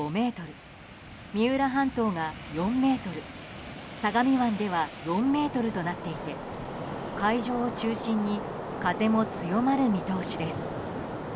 三浦半島が４ｍ相模湾では４ｍとなっていて海上を中心に風も強まる見通しです。